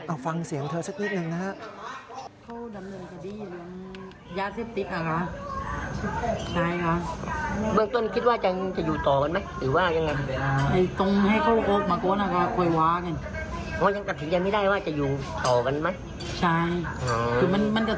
เอาฟังเสียงเธอสักนิดหนึ่งนะฮะ